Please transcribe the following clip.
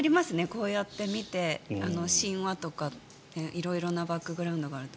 こうやって見て、神話とか色々なバックグラウンドがあると。